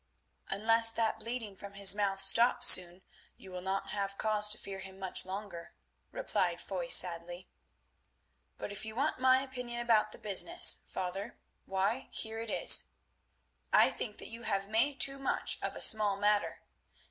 "Unless that bleeding from his mouth stops soon you will not have cause to fear him much longer," replied Foy sadly, "but if you want my opinion about the business, father, why here it is—I think that you have made too much of a small matter.